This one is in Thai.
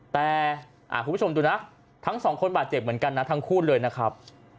แต่คุณผู้ชมดูนะทั้งสองคนบาดเจ็บเหมือนกันนะทั้งคู่เลยนะครับ